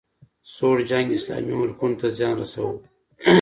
سوړ جنګ اسلامي ملکونو ته زیان رسولی